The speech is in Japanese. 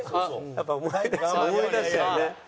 やっぱ思い出しちゃうね。